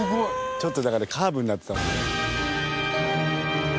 ちょっとだからカーブになってたもんね。